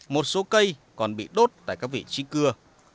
một số cây còn bị đốt tại các vị trí cưa